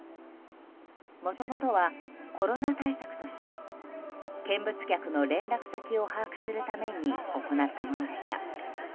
もともとは、コロナ対策として見物客の連絡先を把握するために行ったものでした。